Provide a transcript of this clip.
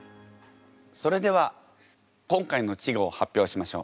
それでは今回の稚語を発表しましょう。